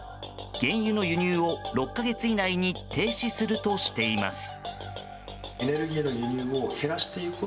原油の輸入を６か月以内に停止するとしています。